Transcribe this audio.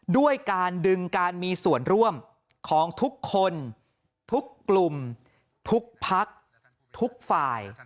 ด้วยการดึงการมีส่วนร่วมของทุกคนทุกกลุ่มทุกพักทุกฝ่าย